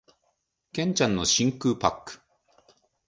剣ちゃんの真空パック